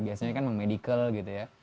biasanya kan medical gitu ya